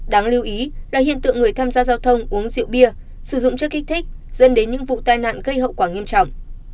đáng lưu ý là hiện tượng người tham gia giao thông uống rượu bia sử dụng chất kích thích dẫn đến những vụ tai nạn gây hậu quả nghiêm trọng